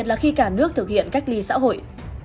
thực hiện cách ly xã hội